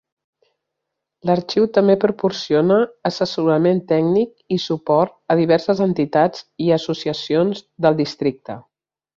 L'Arxiu també proporciona assessorament tècnic i suport a diverses entitats i associacions del districte.